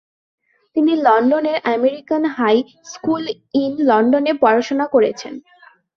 তিনি লন্ডনের American high school in লন্ডনে পড়াশোনা করেছেন।